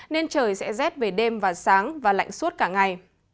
nên trời sẽ rét về đêm và sáng và lạnh suốt cả ngày